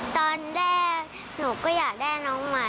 ตอนแรกหนูก็อยากได้น้องใหม่